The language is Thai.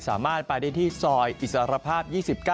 สามารถไปได้ที่ซอยอิสรภาพ๒๙